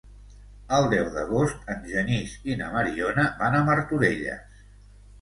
El deu d'agost en Genís i na Mariona van a Martorelles.